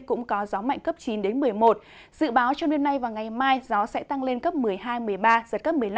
cũng có gió mạnh cấp chín một mươi một dự báo trong đêm nay và ngày mai gió sẽ tăng lên cấp một mươi hai một mươi ba giật cấp một mươi năm